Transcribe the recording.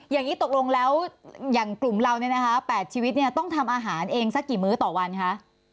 อย่างนี้ตกลงแล้วอย่างกลุ่มเราเนี่ยนะคะ๘ชีวิตเนี่ยต้องทำอาหารเองสักกี่มื้อต่อวันคะ